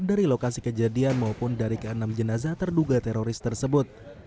dari lokasi kejadian maupun dari keenam jenazah terduga teroris tersebut